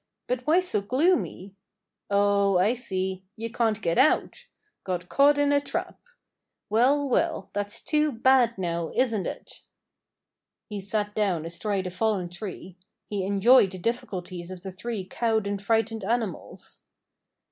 But why so gloomy? Oh, I see, you can't get out! Got caught in a trap. Well, well, that's too bad now, isn't it?" He sat down astride a fallen tree. He enjoyed the difficulties of the three cowed and frightened animals.